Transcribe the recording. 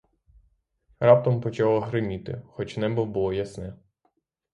Раптом почало гриміти, хоч небо було ясне.